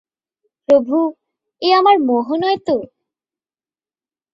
প্রভু, এ আমার মোহ নয় তো?